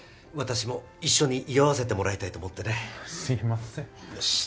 私も一緒に祝わせてもらいたいと思ってね。